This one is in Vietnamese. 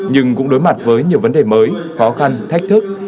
nhưng cũng đối mặt với nhiều vấn đề mới khó khăn thách thức